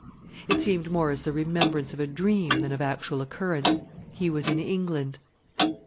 It seemed more as the remembrance of a dream than of actual occurrence. He was in England.